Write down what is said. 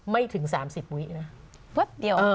ไม่ถึง๓๐วินาที่มันพูดเนี่ย